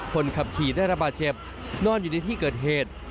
คนขับขี่ได้ระบาดเจ็บนอนอยู่ในที่เกิดเหตุ